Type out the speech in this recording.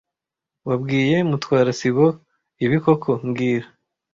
Wabwiye Mutwara sibo ibi koko mbwira